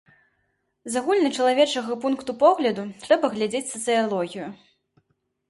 З агульначалавечага пункту погляду, трэба глядзець сацыялогію.